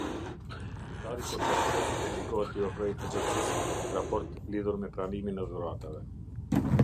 Zyrtari kontaktues obligohet t'i ofrojë Agjencisë raport lidhur me pranimin e dhuratave.